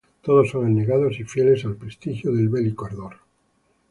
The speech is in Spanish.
Todos son abnegados y fieles al prestigio del bélico ardor